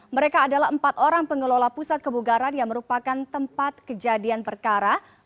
mereka adalah empat orang pengelola pusat kebugaran yang merupakan tempat kejadian perkara